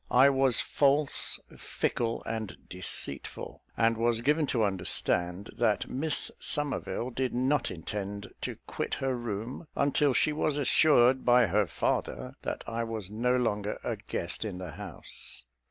I was false, fickle, and deceitful, and was given to understand that Miss Somerville did not intend to quit her room until she was assured by her father that I was no longer a guest in the house.